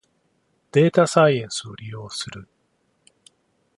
データサイエンスを利用する